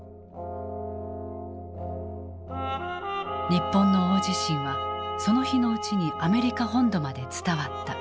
日本の大地震はその日のうちにアメリカ本土まで伝わった。